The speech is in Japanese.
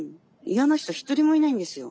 嫌な人ひとりもいないんですよ。